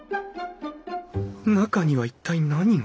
中には一体何が？